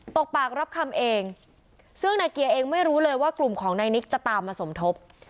ปากรับคำเองซึ่งนายเกียร์เองไม่รู้เลยว่ากลุ่มของนายนิกจะตามมาสมทบ